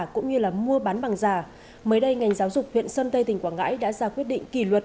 cũng như là mua bán bằng giả mới đây ngành giáo dục huyện sơn tây tỉnh quảng ngãi đã ra quyết định kỷ luật